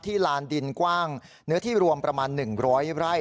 ที่ลานดินกว้างเนื้อที่รวมประมาณหนึ่งร้อยไร่